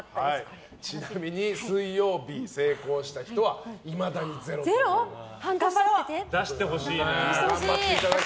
ちなみに水曜日、成功した人はいまだに０。出してほしいな。